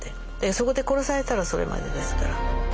そこで殺されたらそれまでですから。